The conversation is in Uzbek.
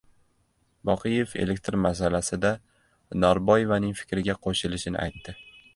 Boqiyev elektr masalasida Norboyevaning fikriga qo‘shilishini aytdi